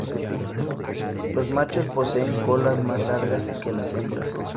Los machos poseen colas más largas que las hembras.